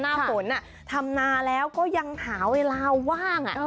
หน้าฝนทำนาแล้วก็ยังหาเวลาว่าง